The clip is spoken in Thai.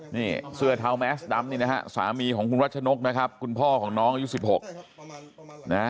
นี่เสื้อเท้าแมสดำนี่นะฮะสามีของคุณรัชนกนะครับคุณพ่อของน้องอายุ๑๖นะฮะ